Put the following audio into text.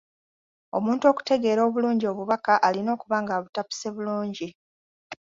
Omuntu okutegeera obulungi obubaka alina okuba ng’abutapuse bulungi.